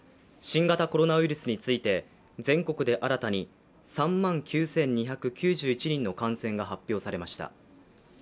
新型コロナウイルスについて全国で新たに３万９２９１人の感染が発表されました。